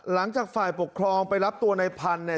หลังจากฝ่ายปกครองไปรับตัวในพันธุ์เนี่ย